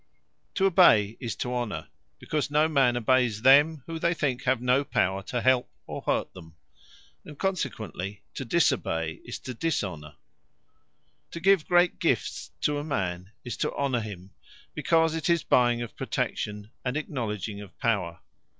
To obey, is to Honour; because no man obeyes them, whom they think have no power to help, or hurt them. And consequently to disobey, is to Dishonour. To give great gifts to a man, is to Honour him; because 'tis buying of Protection, and acknowledging of Power.